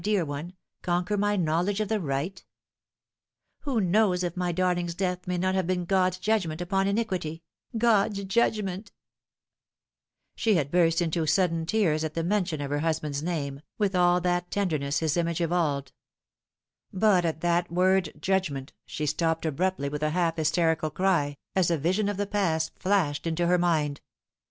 dear one conquer my knowledge of the right ? Who knows if my darling's death may not have been God's judgment upon iniquity God's judgment " She had burst into sudden tears at the mention of her husband's name, with all that tenderness his image evolved ; but at that word judgment she stopped abruptly with a half hysterical cry, as a vision of the past flashed into her mind.